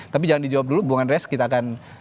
tapi jangan dijawab dulu bung andreas kita akan